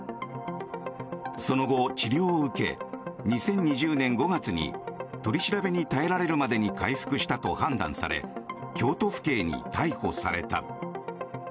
その後、治療を受け２０２０年５月に取り調べに耐えられるまでに回復したと判断され京都府警に逮捕された。